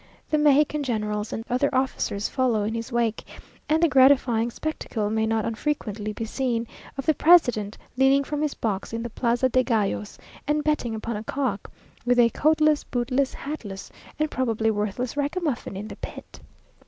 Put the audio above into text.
The Mexican generals and other officers follow in his wake, and the gratifying spectacle may not unfrequently be seen, of the president leaning from his box in the plaza de gallos, and betting upon a cock, with a coatless, bootless, hatless, and probably worthless ragamuffin in the pit.